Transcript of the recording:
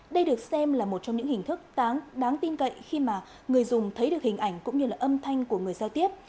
đây được xem là một trong những hình thức tán đáng tin cậy khi mà người dùng thấy được hình ảnh cũng như là âm thanh của người giao tiếp